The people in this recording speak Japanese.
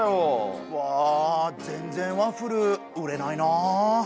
わあ全然ワッフル売れないな。